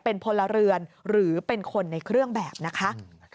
เป็นพลเรือนหรือเป็นคนในเครื่องแบบนะคะ